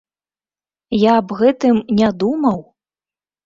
Я аб гэтым не думаў!